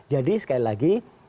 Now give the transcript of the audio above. jadi sekali lagi